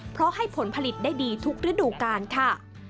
เพราะให้ผลผลิตได้ดีทุกฤดูกาลค่ะ